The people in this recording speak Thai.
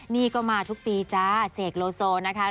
นี่ก็มาทุกปีจ้าเสกโลโซนะคะ